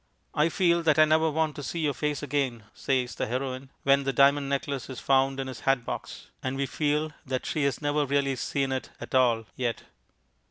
"I feel that I never want to see your face again," says the Heroine, when the diamond necklace is found in his hat box, and we feel that she has never really seen it at all yet.